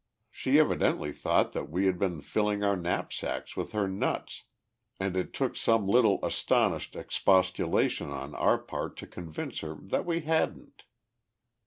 she evidently thought that we had been filling our knapsacks with her nuts, and it took some little astonished expostulation on our part to convince her that we hadn't.